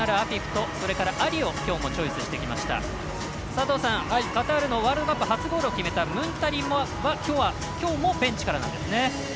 佐藤さん、カタールのワールドカップ初ゴールを決めたムンタリは今日もベンチからなんですね。